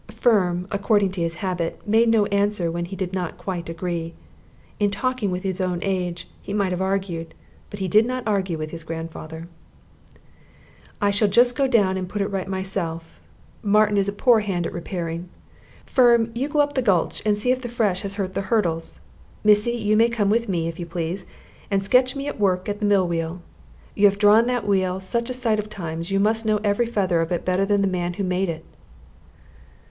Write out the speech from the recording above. Firm, according to his habit, made no answer when he did not quite agree. In talking with his own age he might have argued, but he did not argue with his grandfather. "I shall just go down and put it right myself. Martin is a poor hand at repairing. Firm, you go up the gulch, and see if the fresh has hurt the hurdles. Missy, you may come with me, if you please, and sketch me at work in the mill wheel. You have drawn that wheel such a sight of times, you must know every feather of it better than the man who made it."